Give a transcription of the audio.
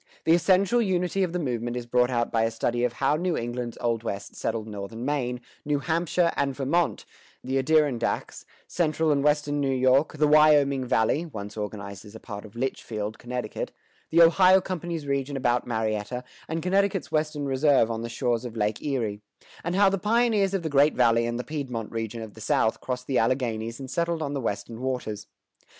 The essential unity of the movement is brought out by a study of how New England's Old West settled northern Maine, New Hampshire and Vermont, the Adirondacks, central and Western New York, the Wyoming Valley (once organized as a part of Litchfield, Connecticut), the Ohio Company's region about Marietta, and Connecticut's Western Reserve on the shores of Lake Erie; and how the pioneers of the Great Valley and the Piedmont region of the South crossed the Alleghanies and settled on the Western Waters.